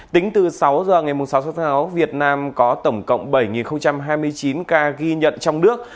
tính từ sáu giờ ngày sáu tháng sáu việt nam có tổng cộng bảy hai mươi chín ca ghi nhận trong nước